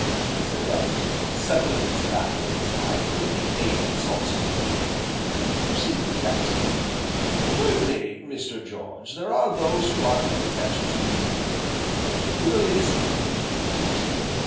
said Bellew, settling the tobacco in his pipe with the aid of the salt spoon, "Proceed, Baxter." "Thirdly, Mr. George, there are those who are content to to merely disappear."